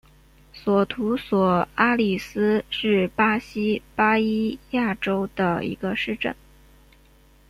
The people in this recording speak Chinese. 索图索阿里斯是巴西巴伊亚州的一个市镇。